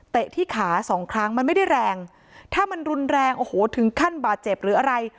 ที่ขาสองครั้งมันไม่ได้แรงถ้ามันรุนแรงโอ้โหถึงขั้นบาดเจ็บหรืออะไร